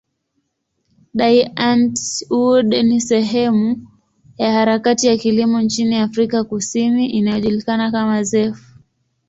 Die Antwoord ni sehemu ya harakati ya kilimo nchini Afrika Kusini inayojulikana kama zef.